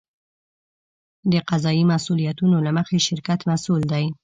د قضایي مسوولیتونو له مخې شرکت مسوول دی.